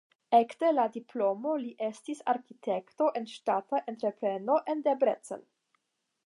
Ekde la diplomo li estis arkitekto en ŝtata entrepreno en Debrecen.